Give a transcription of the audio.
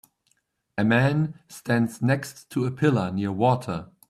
A man stands next to a pillar near water.